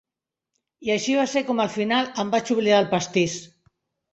I així va ser com al final em vaig oblidar el pastís.